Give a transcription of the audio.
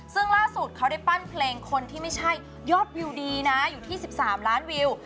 ซึ่งล่าสุดเขาได้ปั้นเพลงคนที่ไม่ใช่ยอดวิวดีนะอยู่ที่๑๓ล้านวิว